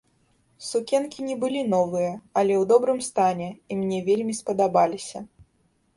Сукенкі не былі новыя, але ў добрым стане, і мне вельмі спадабаліся.